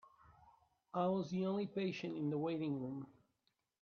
I was the only patient in the waiting room.